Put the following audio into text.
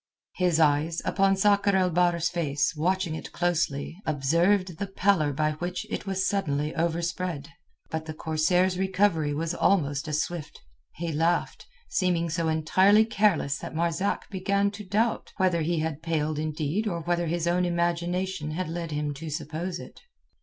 His eyes, upon Sakr el Bahr's face, watching it closely, observed the pallor by which it was suddenly overspread. But the corsair's recovery was almost as swift. He laughed, seeming so entirely careless that Marzak began to doubt whether he had paled indeed or whether his own imagination had led him to suppose it.